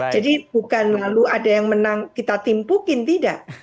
jadi bukan lalu ada yang menang kita timpukin tidak